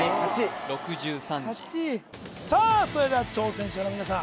６３字・８位さあそれでは挑戦者の皆さん